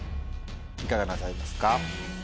いかがなさいますか？